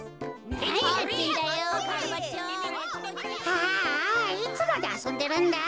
ああいつまであそんでるんだ。